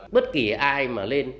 bất kỳ ai mà lên